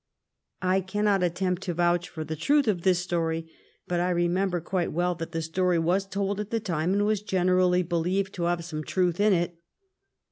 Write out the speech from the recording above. I cannot attempt to vouch for the truth of this story, but I remember quite well that the story was told at the time, and was gen erally believed to have some truth in it.